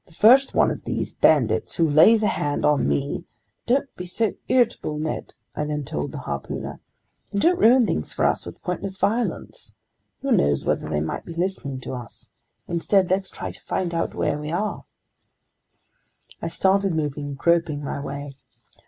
"Don't be so irritable, Ned," I then told the harpooner, "and don't ruin things for us with pointless violence. Who knows whether they might be listening to us? Instead, let's try to find out where we are!" I started moving, groping my way.